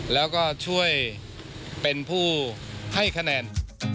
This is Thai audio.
แล้วก็ช่วยเป็นผู้ให้คะแนน